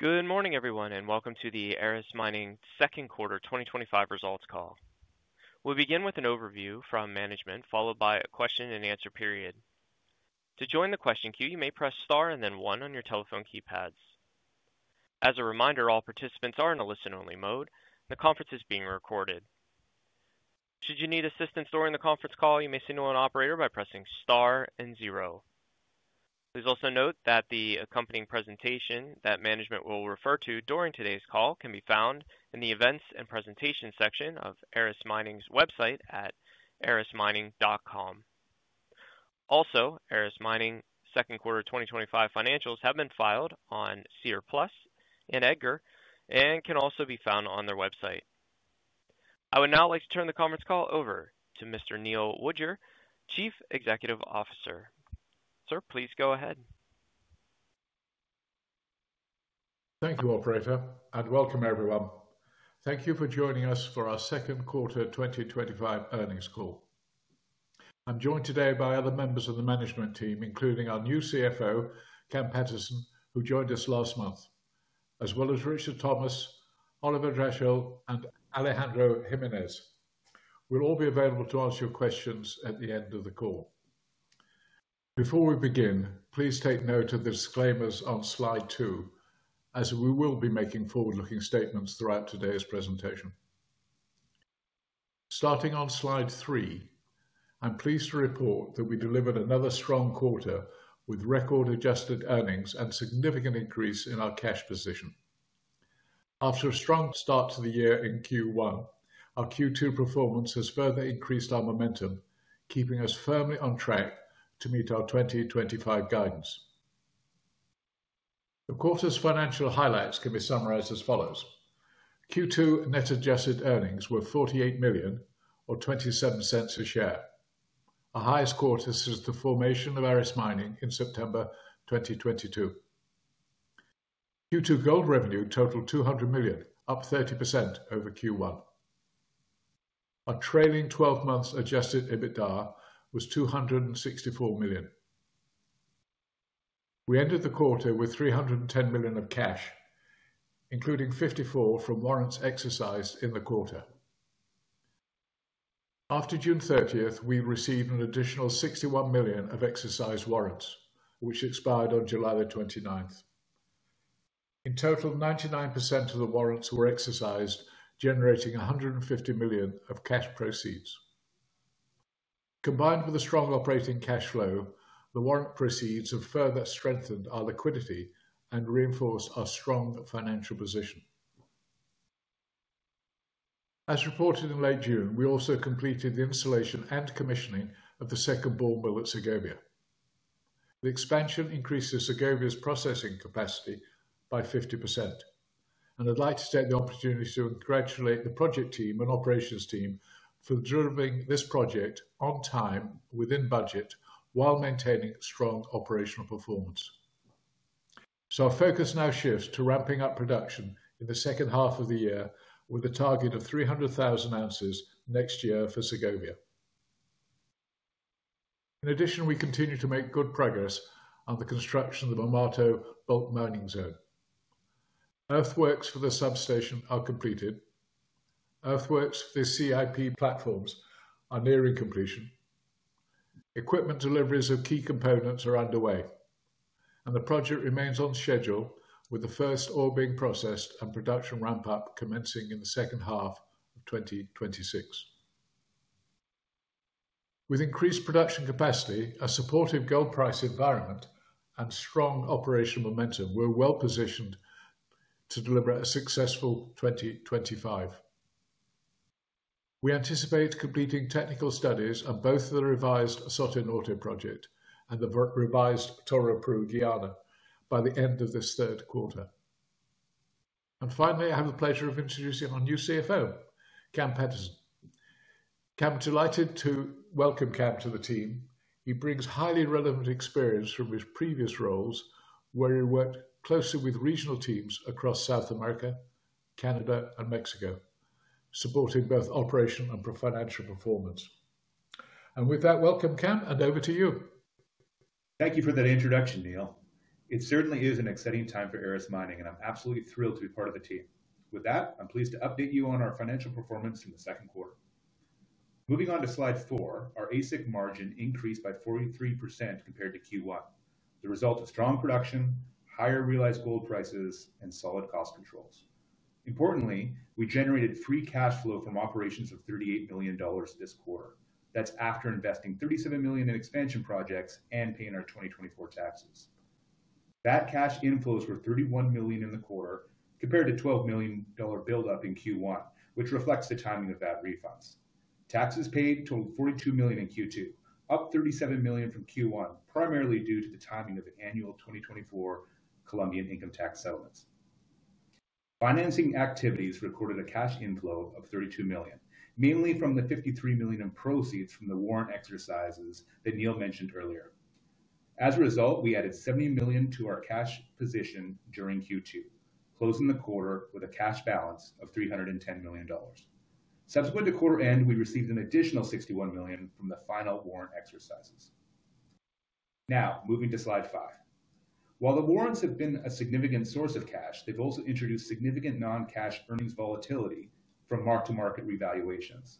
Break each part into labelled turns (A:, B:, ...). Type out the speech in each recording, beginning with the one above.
A: Good morning, everyone, and welcome to the Aris Mining Second Quarter 2025 Results Call. We'll begin with an overview from management, followed by a question-and-answer period. To join the question queue, you may press star and then one on your telephone keypads. As a reminder, all participants are in a listen-only mode, and the conference is being recorded. Should you need assistance during the conference call, you may signal an operator by pressing star and zero. Please also note that the accompanying presentation that management will refer to during today's call can be found in the events and presentations section of Aris Mining's website at arismining.com. Also, Aris Mining second quarter 2025 financials have been filed on SEDAR+ and EDGAR and can also be found on their website. I would now like to turn the conference call over to Mr. Neil Woodyer, Chief Executive Officer. Sir, please go ahead.
B: Thank you, Operator, and welcome, everyone. Thank you for joining us for our Second Quarter 2025 Earnings Call. I'm joined today by other members of the management team, including our new CFO, Cam Paterson, who joined us last month, as well as Richard Thomas, Oliver Dachsel, and Alejandro Jimenez. We'll all be available to answer your questions at the end of the call. Before we begin, please take note of the disclaimers on slide two, as we will be making forward-looking statements throughout today's presentation. Starting on slide three, I'm pleased to report that we delivered another strong quarter with record-adjusted earnings and a significant increase in our cash position. After a strong start to the year in Q1, our Q2 performance has further increased our momentum, keeping us firmly on track to meet our 2025 guidance. The quarter's financial highlights can be summarized as follows. Q2 net adjusted earnings were $48 million or $0.27 a share, our highest quarter since the formation of Aris Mining in September 2022. Q2 gold revenue totaled $200 million, up 30% over Q1. Our trailing 12 months adjusted EBITDA was $264 million. We ended the quarter with $310 million of cash, including $54 million from warrants exercised in the quarter. After June 30th, we received an additional $61 million of exercised warrants, which expired on July 29th. In total, 99% of the warrants were exercised, generating $150 million of cash proceeds. Combined with a strong operating cash flow, the warrant proceeds have further strengthened our liquidity and reinforced our strong financial position. As reported in late June, we also completed the installation and commissioning of the second ball mill at Segovia. The expansion increases Segovia's processing capacity by 50%, and I would like to take the opportunity to congratulate the project team and operations team for delivering this project on time, within budget, while maintaining strong operational performance. Our focus now shifts to ramping up production in the second half of the year, with a target of 300,000 oz next year for Segovia. In addition, we continue to make good progress on the construction of the Marmato Bulk Mining zone. Earthworks for the substation are completed. Earthworks for the CIP platforms are nearing completion. Equipment deliveries of key components are underway, and the project remains on schedule, with the first ore being processed and production ramp-up commencing in the second half of 2026. With increased production capacity, a supportive gold price environment, and strong operational momentum, we're well-positioned to deliver a successful 2025. We anticipate completing technical studies on both the revised Soto Norte Project and the bulk revised Toroparu Guyana by the end of this third quarter. Finally, I have the pleasure of introducing our new CFO, Cam Paterson. Delighted to welcome Cam to the team. He brings highly relevant experience from his previous roles, where he worked closely with regional teams across South America, Canada, and Mexico, supporting both operational and financial performance. With that, welcome Cam, and over to you.
C: Thank you for that introduction, Neil. It certainly is an exciting time for Aris Mining, and I'm absolutely thrilled to be part of the team. With that, I'm pleased to update you on our financial performance from the second quarter. Moving on to slide four, our AISC margin increased by 43% compared to Q1. The result is strong production, higher realized gold prices, and solid cost controls. Importantly, we generated free cash flow from operations of $38 million this quarter. That's after investing $37 million in expansion projects and paying our 2024 taxes. Cash inflows were $31 million in the quarter compared to a $12 million buildup in Q1, which reflects the timing of VAT refunds. Taxes paid totaled $42 million in Q2, up $37 million from Q1, primarily due to the timing of annual 2024 Colombian income tax settlements. Financing activities recorded a cash inflow of $32 million, mainly from the $53 million in proceeds from the warrant exercises that Neil mentioned earlier. As a result, we added $70 million to our cash position during Q2, closing the quarter with a cash balance of $310 million. Subsequent to quarter-end, we received an additional $61 million from the final warrant exercises. Now, moving to slide five. While the warrants have been a significant source of cash, they've also introduced significant non-cash earnings volatility from mark-to-market revaluations.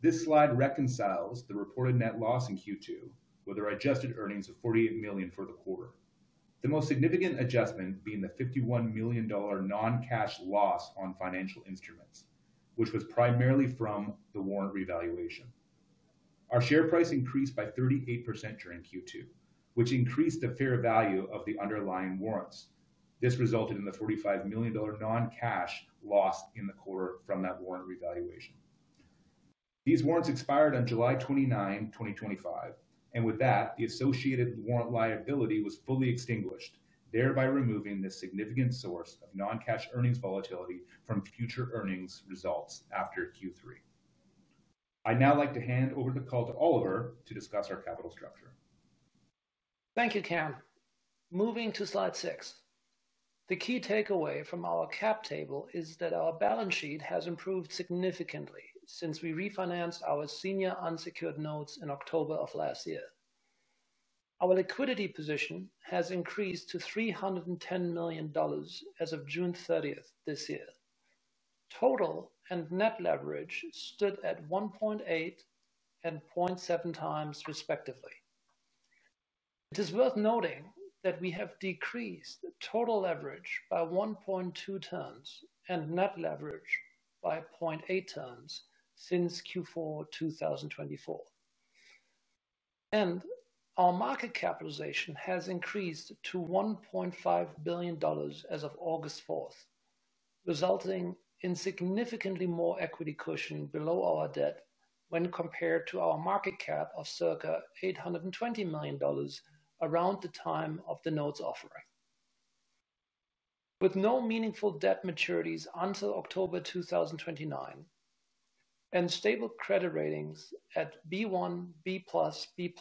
C: This slide reconciles the reported net loss in Q2, where there are adjusted earnings of $48 million for the quarter. The most significant adjustment being the $51 million non-cash loss on financial instruments, which was primarily from the warrant revaluation. Our share price increased by 38% during Q2, which increased the fair value of the underlying warrants. This resulted in the $45 million non-cash loss in the quarter from that warrant revaluation. These warrants expired on July 29, 2025, and with that, the associated warrant liability was fully extinguished, thereby removing this significant source of non-cash earnings volatility from future earnings results after Q3. I'd now like to hand over the call to Oliver to discuss our capital structure.
D: Thank you, Cam. Moving to slide six, the key takeaway from our cap table is that our balance sheet has improved significantly since we refinanced our senior unsecured notes in October of last year. Our liquidity position has increased to $310 million as of June 30th this year. Total and net leverage stood at 1.8x and 0.7x, respectively. It is worth noting that we have decreased total leverage by 1.2 turns and net leverage by 0.8 turns since Q4 2024. Our market capitalization has increased to $1.5 billion as of August 4th, resulting in significantly more equity cushioning below our debt when compared to our market cap of circa $820 million around the time of the notes offering. With no meaningful debt maturities until October 2029 and stable credit ratings at B1, B+, B+,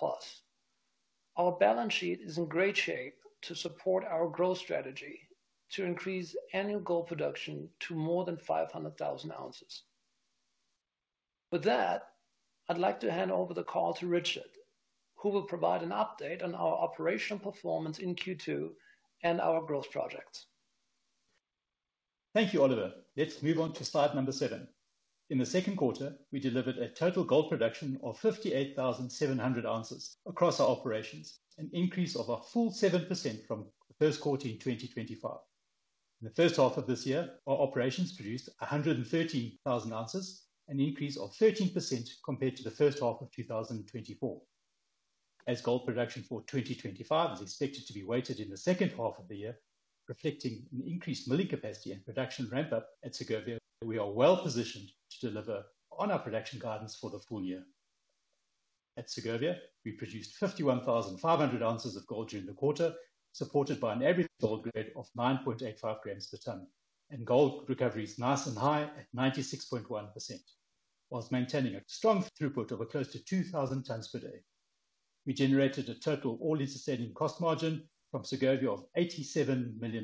D: our balance sheet is in great shape to support our growth strategy to increase annual gold production to more than 500,000 oz. With that, I'd like to hand over the call to Richard, who will provide an update on our operational performance in Q2 and our growth projects.
E: Thank you, Oliver. Let's move on to slide number seven. In the second quarter, we delivered a total gold production of 58,700 oz across our operations, an increase of a full 7% from first quarter in 2025. In the first half of this year, our operations produced 113,000 oz, an increase of 13% compared to the first half of 2024. As gold production for 2025 is expected to be weighted in the second half of the year, reflecting an increased milling capacity and production ramp-up at Segovia, we are well-positioned to deliver on our production guidance for the full year. At Segovia, we produced 51,500 oz of gold during the quarter, supported by an average gold grade of 9.85 g per ton, and gold recovery is nice and high at 96.1%, whilst maintaining a strong throughput of close to 2,000 tons per day. We generated a total all-in sustaining cost margin from Segovia of $87 million,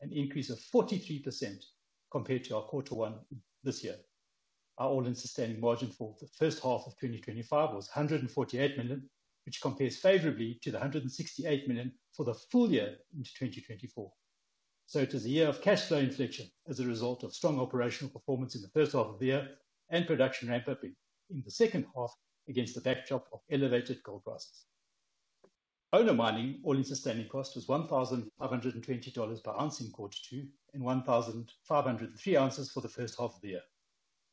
E: an increase of 43% compared to our quarter one this year. Our all-in sustaining margin for the first half of 2025 was $148 million, which compares favorably to the $168 million for the full year in 2024. It is a year of cash flow inflection as a result of strong operational performance in the first half of the year and production ramp-up in the second half against the backdrop of elevated gold prices. Owner mining all-in sustaining cost was $1,520 per ounce in quarter two and $1,503 per ounce for the first half of the year,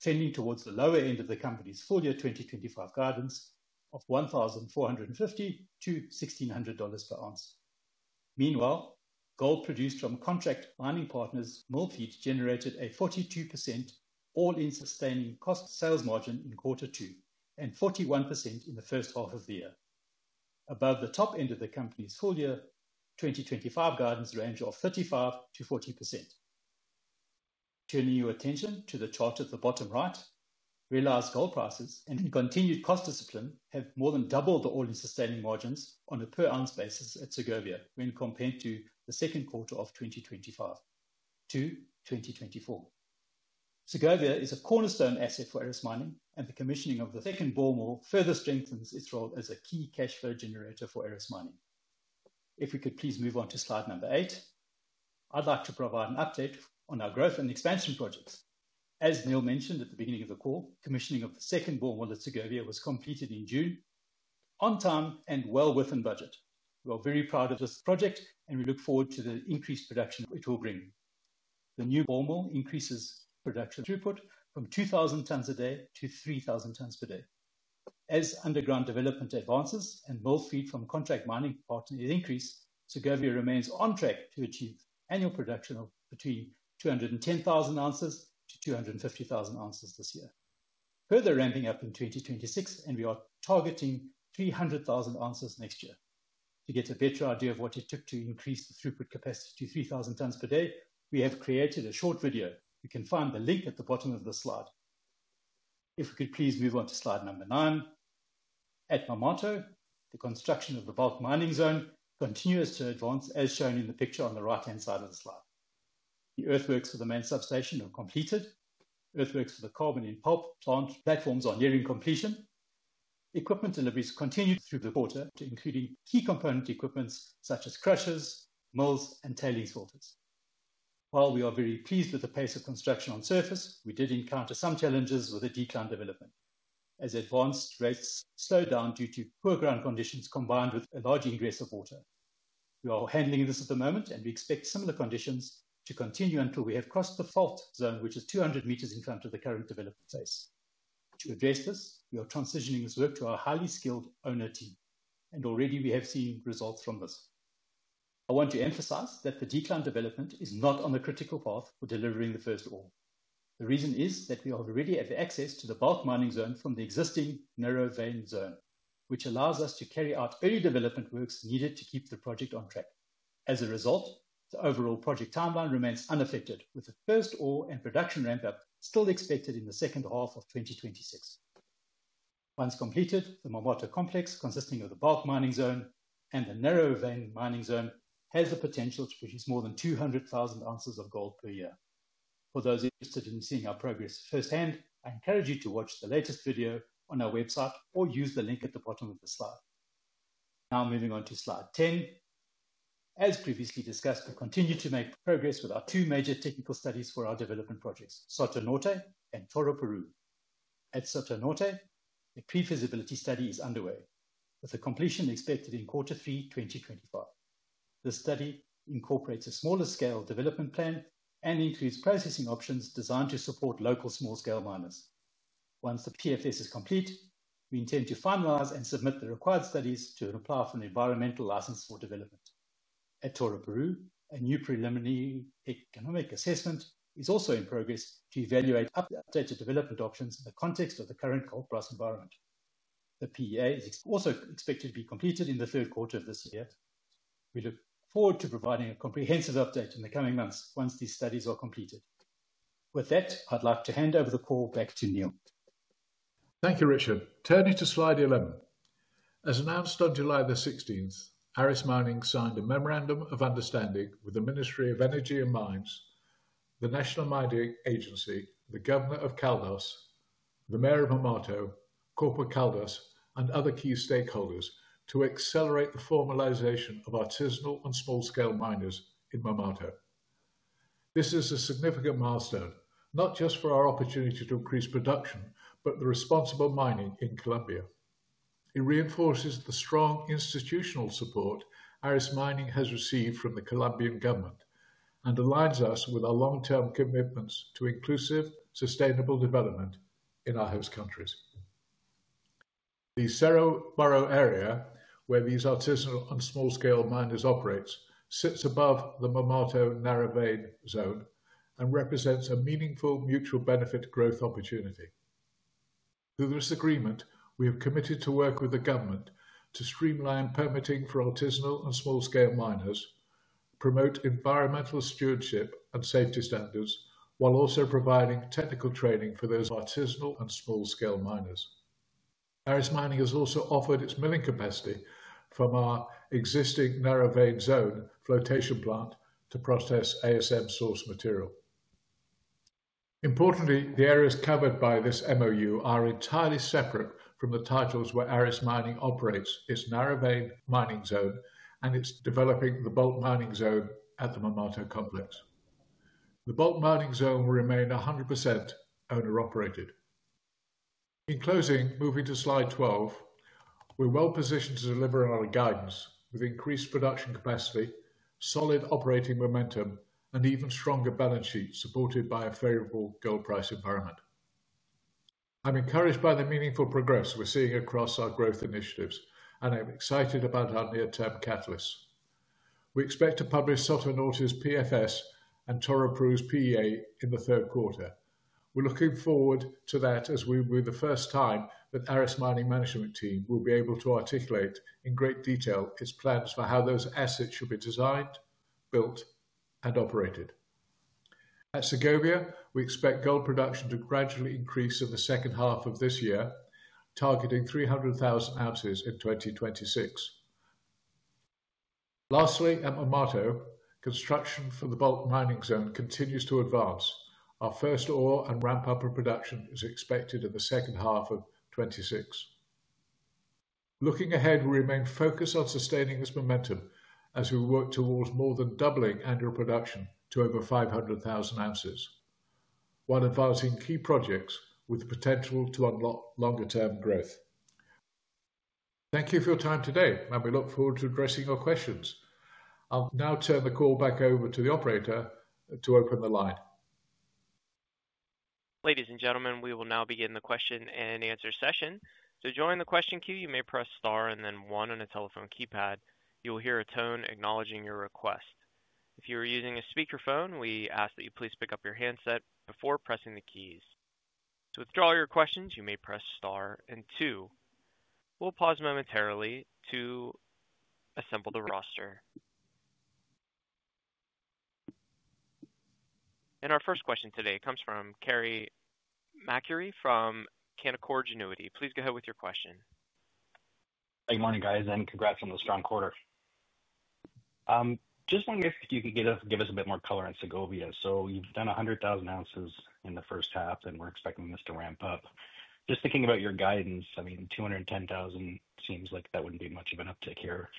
E: tending towards the lower end of the company's full year 2025 guidance of $1,450-$1,600 per ounce. Meanwhile, gold produced from contract mining partners [mill feed] generated a 42% all-in sustaining cost sales margin in quarter two and 41% in the first half of the year, above the top end of the company's full year 2025 guidance range of 35%-40%. Turning your attention to the chart at the bottom right, realized gold prices and continued cost discipline have more than doubled the all-in sustaining margins on a per ounce basis at Segovia when compared to the second quarter of 2025-2024. Segovia is a cornerstone asset for Aris Mining, and the commissioning of the second ball mill further strengthens its role as a key cash flow generator for Aris Mining. If we could please move on to slide number eight, I'd like to provide an update on our growth and expansion projects. As Neil mentioned at the beginning of the call, commissioning of the second ball mill at Segovia was completed in June, on time and well within budget. We're very proud of this project, and we look forward to the increased production it will bring. The new bore mole increases production throughput from 2,000 tons a day to 3,000 tons per day. As underground development advances and mold feed from contract mining partners increase, Segovia remains on track to achieve annual production of between 210,000 oz-250,000 oz this year, further ramping up in 2026, and we are targeting 300,000 oz next year. To get a better idea of what it took to increase the throughput capacity to 3,000 tons per day, we have created a short video. You can find the link at the bottom of the slide. If we could please move on to slide number nine. At Marmato, the construction of the bulk mining zone continues to advance as shown in the picture on the right-hand side of the slide. The earthworks for the main substation are completed. Earthworks for the carbon in pulp plant platforms are nearing completion. Equipment deliveries continue through the quarter too, including key component equipment such as crushers, molds, and tailing saucers. While we are very pleased with the pace of construction on surface, we did encounter some challenges with the decline development as advance rates slowed down due to poor ground conditions combined with a large ingress of water. We are handling this at the moment, and we expect similar conditions to continue until we have crossed the fault zone, which is 200 m in front of the current development phase. To address this, we are transitioning this work to our highly skilled owner team, and already we have seen results from this. I want to emphasize that the decline development is not on the critical path for delivering the first ore. The reason is that we already have access to the bulk mining zone from the existing narrow vein zone, which allows us to carry out early development works needed to keep the project on track. As a result, the overall project timeline remains unaffected, with the first ore and production ramp-up still expected in the second half of 2026. Once completed, the Marmato complex, consisting of the bulk mining zone and the narrow vein mining zone, has the potential to produce more than 200,000 oz of gold per year. For those interested in seeing our progress firsthand, I encourage you to watch the latest video on our website or use the link at the bottom of the slide. Now moving on to slide ten. As previously discussed, we continue to make progress with our two major technical studies for our development projects, Soto Norte and Toroparu. At Soto Norte, the pre-feasibility study is underway, with a completion expected in quarter three 2025. The study incorporates a smaller-scale development plan and increased processing options designed to support local small-scale miners. Once the PFS is complete, we intend to finalize and submit the required studies to apply for an environmental license for development. At Toroparu, a new preliminary economic assessment is also in progress to evaluate updated development options in the context of the current gold price environment. The PEA is also expected to be completed in the third quarter of this year. We look forward to providing a comprehensive update in the coming months once these studies are completed. With that, I'd like to hand over the call back to Neil.
B: Thank you, Richard. Turning to slide 11. As announced on July the 16th, Aris Mining signed a memorandum of understanding with the Ministry of Energy and Mines, the National Mining Agency, the Governor of Caldas, the Mayor of Marmato, Corpocaldas, and other key stakeholders to accelerate the formalization of artisanal and small-scale miners in Marmato. This is a significant milestone, not just for our opportunity to increase production, but for responsible mining in Colombia. It reinforces the strong institutional support Aris Mining has received from the Colombian government and aligns us with our long-term commitments to inclusive, sustainable development in our host countries. The Cerro Moro area, where these artisanal and small-scale miners operate, sits above the Marmato narrow vein zone and represents a meaningful mutual benefit growth opportunity. Through this agreement, we have committed to work with the government to streamline permitting for artisanal and small-scale miners, promote environmental stewardship and safety standards, while also providing technical training for those artisanal and small-scale miners. Aris Mining has also offered its milling capacity from our existing narrow vein zone flotation plant to process ASM source material. Importantly, the areas covered by this memorandum of understanding are entirely separate from the titles where Aris Mining operates its narrow vein mining zone and is developing the bulk mining zone at the Marmato complex. The bulk mining zone will remain 100% owner-operated. In closing, moving to slide 12, we're well-positioned to deliver on our guidance with increased production capacity, solid operating momentum, and even stronger balance sheets supported by a favorable gold price environment. I'm encouraged by the meaningful progress we're seeing across our growth initiatives, and I'm excited about our near-term catalysts. We expect to publish Soto Norte's PFS and Toroparu's PA in the third quarter. We're looking forward to that as it will be the first time that Aris Mining's management team will be able to articulate in great detail its plans for how those assets should be designed, built, and operated. At Segovia, we expect gold production to gradually increase in the second half of this year, targeting 300,000 oz in 2026. Lastly, at Marmato, construction for the bulk mining zone continues to advance. Our first ore and ramp-up in production is expected in the second half of 2026. Looking ahead, we remain focused on sustaining this momentum as we work towards more than doubling annual production to over 500,000 oz, while advancing key projects with the potential to unlock longer-term growth. Thank you for your time today, and we look forward to addressing your questions. I'll now turn the call back over to the operator to open the line.
A: Ladies and gentlemen, we will now begin the question-and-answer session. To join the question queue, you may press star and then one on a telephone keypad. You will hear a tone acknowledging your request. If you are using a speakerphone, we ask that you please pick up your handset before pressing the keys. To withdraw your questions, you may press star and two. We'll pause momentarily to assemble the roster. Our first question today comes from Carey MacRury from Canaccord Genuity. Please go ahead with your question.
F: Hey, good morning, guys, and congrats on the strong quarter. Just wondering if you could give us a bit more color on Segovia. You've done 100,000 oz in the first half, and we're expecting this to ramp up. Just thinking about your guidance, 210,000 oz seems like that wouldn't be much of an uptick here.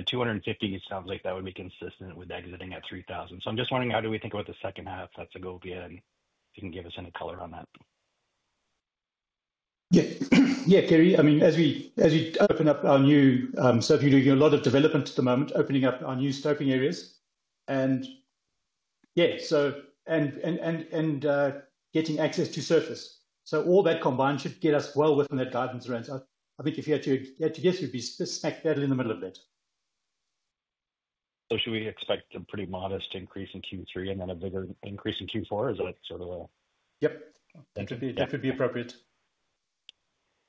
F: 250,000 oz sounds like that would be consistent with exiting at 3,000 tons. I'm just wondering, how do we think about the second half at Segovia? If you can give us any color on that.
E: Yeah, Carey, I mean, as we open up our new surface area, a lot of development at the moment, opening up our new surface areas and getting access to surface. All that combined should get us well within that guidance range. I think if you had to guess, we'd be smack dab in the middle of that.
F: Should we expect a pretty modest increase in Q3 and then a bigger increase in Q4? Is that sort of a...
E: Yep, that would be appropriate.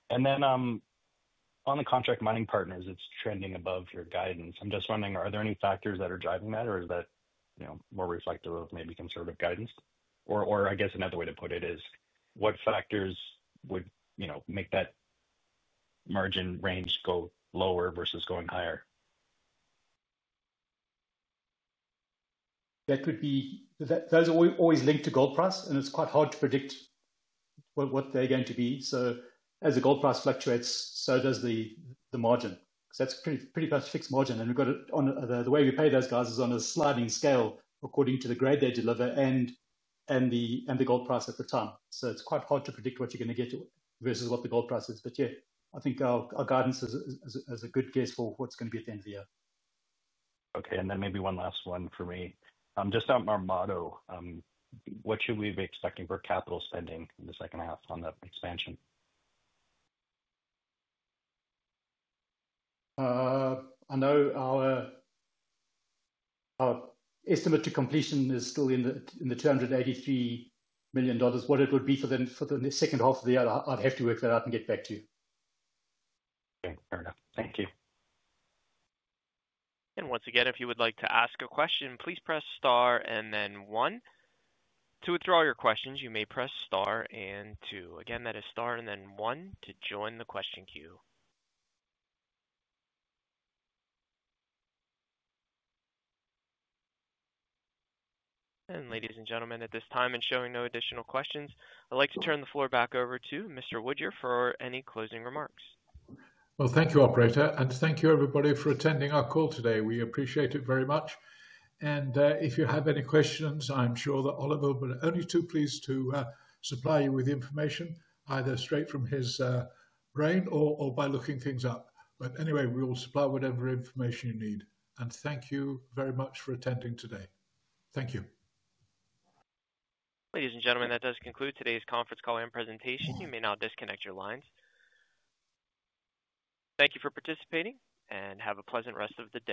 F: On the contract mining partners, it's trending above your guidance. I'm just wondering, are there any factors that are driving that, or is that more reflective of maybe conservative guidance? I guess another way to put it is, what factors would make that margin range go lower versus going higher?
E: Those are always linked to gold price, and it's quite hard to predict what they're going to be. As the gold price fluctuates, so does the margin. That's a pretty much fixed margin. We've got it on the way we pay those guys, which is on a sliding scale according to the grade they deliver and the gold price at the farm. It's quite hard to predict what you're going to get versus what the gold price is. I think our guidance is a good guess for what's going to be at the end of the year.
F: Okay, and then maybe one last one for me. Just on Marmato, what should we be expecting for capital spending in the second half on that expansion?
E: I know our estimate to completion is still in the $283 million. What it would be for the second half of the year, I'd have to work that out and get back to you.
F: Okay, fair enough. Thank you.
A: If you would like to ask a question, please press star and then one. To withdraw your questions, you may press star and two. Again, that is star and then one to join the question queue. Ladies and gentlemen, at this time, showing no additional questions, I'd like to turn the floor back over to Mr. Woodyer for any closing remarks.
B: Thank you, operator, and thank you, everybody, for attending our call today. We appreciate it very much. If you have any questions, I'm sure that Oliver will only be too pleased to supply you with information either straight from his brain or by looking things up. We will supply whatever information you need. Thank you very much for attending today. Thank you.
A: Ladies and gentlemen, that does conclude today's conference call and presentation. You may now disconnect your lines. Thank you for participating and have a pleasant rest of the day.